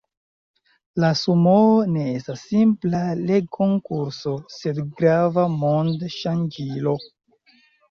La Sumoo ne estas simpla legkonkurso, sed grava mond-ŝanĝilo.